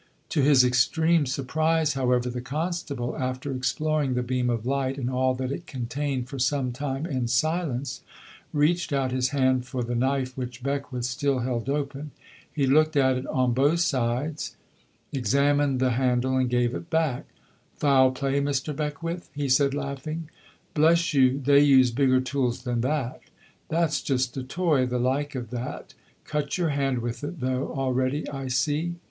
To his extreme surprise, however, the constable, after exploring the beam of light and all that it contained for some time in silence, reached out his hand for the knife which Beckwith still held open. He looked at it on both sides, examined the handle and gave it back. "Foul play, Mr. Beckwith?" he said laughing. "Bless you, they use bigger tools than that. That's just a toy, the like of that. Cut your hand with it, though, already, I see."